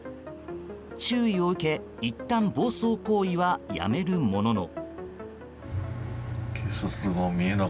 注意を受け、いったん暴走行為はやめるものの。